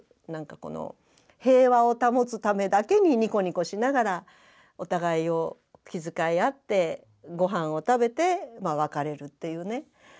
この平和を保つためだけにニコニコしながらお互いを気遣い合ってご飯を食べて別れるっていうね。